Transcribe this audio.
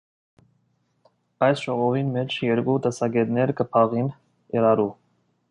Այս ժողովին մէջ երկու տեսակէտներ կը բախին իրարու։